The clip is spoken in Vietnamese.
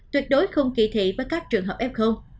tuyệt đối không kỳ thị với các trường hợp f